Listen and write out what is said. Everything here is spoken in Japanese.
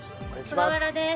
菅原です。